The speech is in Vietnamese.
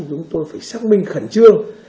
chúng tôi phải xác minh khẩn trương